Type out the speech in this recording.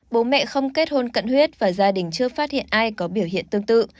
bố mẹ không kết hôn cận huyết và gia đình chưa phát hiện ai có biểu hiện tương tự